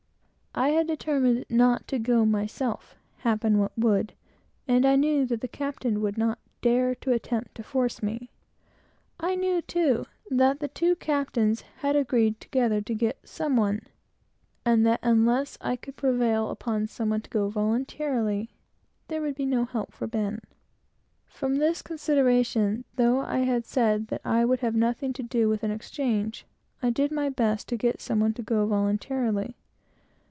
I had determined not to go myself, happen what would, and I knew that the captain would not dare to attempt to force me. I knew, too, that the two captains had agreed together to get some one, and that unless I could prevail upon somebody to go voluntarily, there would be no help for Ben. From this consideration, though I had said that I would have nothing to do with an exchange, I did my best to get some one to go voluntarily.